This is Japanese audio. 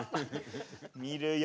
見るよ